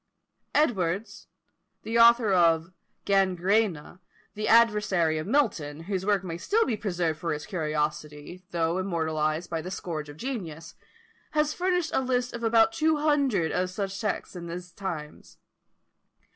Edwards, the author of "Gangræna," the adversary of Milton, whose work may still be preserved for its curiosity, though immortalised by the scourge of genius, has furnished a list of about two hundred of such sects in these times.